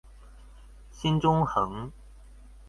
新中橫